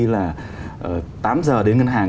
là tám giờ đến ngân hàng